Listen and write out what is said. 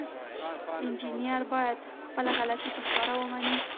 انجینر باید خپله غلطي په ښکاره ومني.